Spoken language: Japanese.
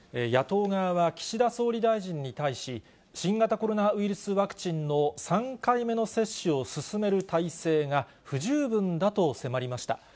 野党側は岸田総理大臣に対し、新型コロナウイルスワクチンの３回目の接種を進める体制が不十分だと迫りました。